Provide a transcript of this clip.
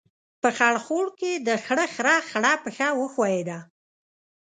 په خړ خوړ کې، د خړ خرهٔ خړه پښه وښیوده.